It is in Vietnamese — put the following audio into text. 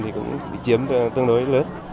thì cũng chiếm tương đối lớn